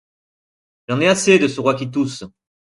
J'en ai assez de ce roi qui tousse!